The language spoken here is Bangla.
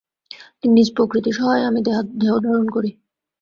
নিজ প্রকৃতি-সহায়ে আমি দেহধারণ করি।